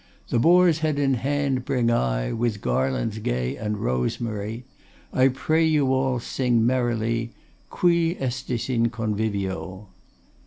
The Boar's heade in hande bring I, With garlandes gay and rosemary: I pray you all singe merrily, Qui estis in convivio.